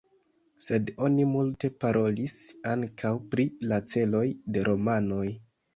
Sed oni multe parolis ankaŭ pri la celoj de romanoj.